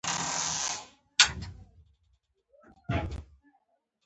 د زده سود به پرې کوم خو ملکې انکار وکړ.